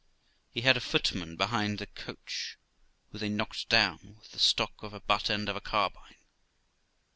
He had a footman behind the coach, who they knocked down with the stock or butt end of a carbine.